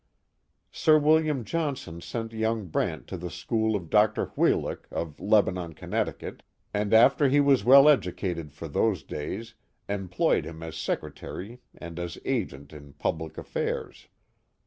Sir William Johnson sent young Brant to the school of Dr. Wheelock, of Lebanon, Connecticut, and after he was well educated for those days, employed him as secretary and as agent in public affairs.